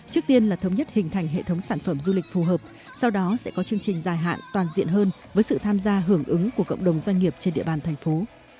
trước tiên là thống nhất hình thành hệ thống sản phẩm du lịch phù hợp sau đó sẽ có chương trình dài hạn toàn diện hơn với sự tham gia hưởng ứng của cộng đồng doanh nghiệp trên địa bàn thành phố